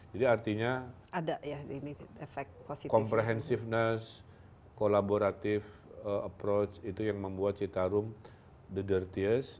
jadi artinya komprehensiveness kolaboratif approach itu yang membuat citarun the dirtiest